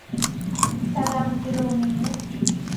ตางรางกิโลเมตร